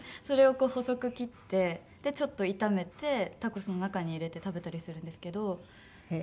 それをこう細く切ってちょっと炒めてタコスの中に入れて食べたりするんですけど。